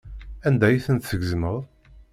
Anda ay tent-tgezmeḍ?